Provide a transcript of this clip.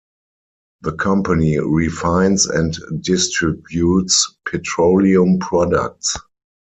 The company refines and distributes petroleum products.